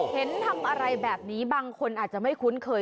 เห็นทำอะไรแบบนี้บางคนอาจจะไม่คุ้นเคย